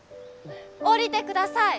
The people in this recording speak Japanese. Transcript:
下りてください！